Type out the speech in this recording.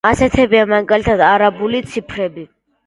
ასეთებია, მაგალითად, არაბული ციფრები.